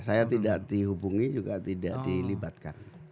saya tidak dihubungi juga tidak dilibatkan